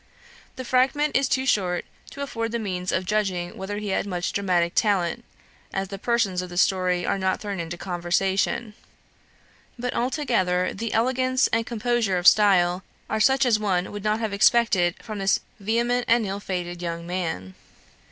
The fragment is too short to afford the means of judging whether he had much dramatic talent, as the persons of the story are not thrown into conversation. But altogether the elegance and composure of style are such as one would not have expected from this vehement and ill fated young man.